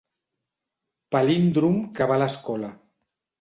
Palíndrom que va a escola.